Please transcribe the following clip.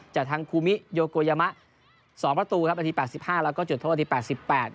จากทางคูมิโยโกยามะสองประตูครับนาทีแปดสิบห้าแล้วก็จุดโทษนาทีแปดสิบแปด